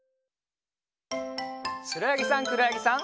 しろやぎさんくろやぎさん。